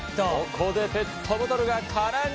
ここでペットボトルが空に。